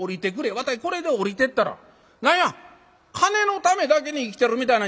わたいこれで下りてったら何や金のためだけに生きてるみたいな人間でんがな」。